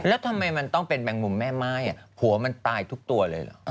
แล้วทำไมมันต้องเป็นแมงมุมแม่ม่ายหัวมันตายทุกตัวเลยเหรอ